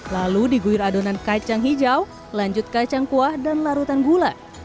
lalu diguir adonan kacang hijau lanjut kacang kuah dan larutan gula